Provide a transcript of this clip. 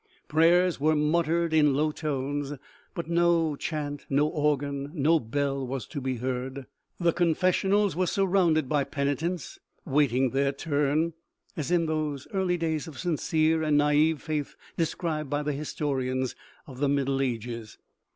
Prayers were muttered in low tones, but no chant, no organ, no bell was to be heard. The confes sionals were surrounded by penitents, waiting their turn, as in those early days of sincere and naive faith described by the historians of the middle ages.